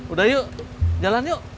udah yuk jalan yuk